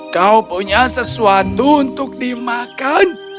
kau punya sesuatu untuk dimakan